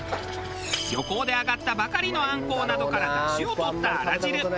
漁港で揚がったばかりのあんこうなどから出汁を取ったあら汁。